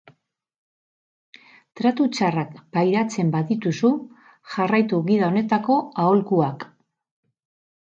Tratu txarrak pairatzen badituzu, jarraitu gida honetako aholkuak.